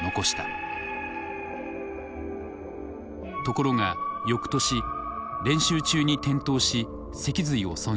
ところがよくとし練習中に転倒し脊髄を損傷。